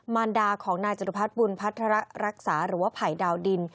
มารดาของนายจรุพัฒน์บุญพัฒระรักษาหรือว่าไผ่ดาวดิน